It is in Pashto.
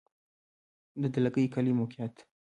د دلکي کلی موقعیت